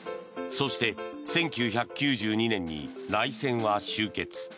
そして、１９９２年に内戦は終結。